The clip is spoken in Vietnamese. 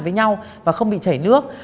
với nhau và không bị chảy nước